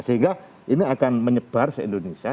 sehingga ini akan menyebar se indonesia